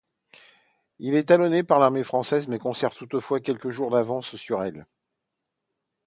Il est talonné par l'armée française, mais conserve toutefois quelques jours d'avance sur elle.